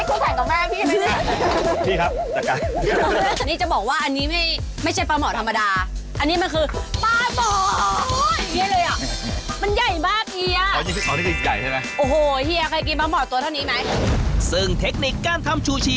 ก็จะมีปลาหมอซูชิ